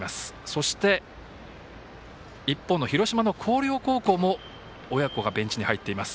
そして、一方の広島の広陵高校も親子がベンチに入っています。